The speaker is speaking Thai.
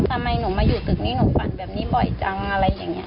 ทำไมหนูมาอยู่ตึกนี้หนูฝันแบบนี้บ่อยจังอะไรอย่างนี้